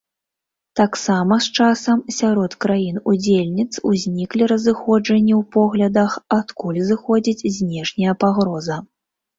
Таксама, з часам, сярод краін удзельніц узніклі разыходжанні ў поглядах, адкуль зыходзіць знешняя пагроза.